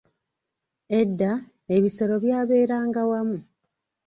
Edda, ebisolo byaberanga wamu.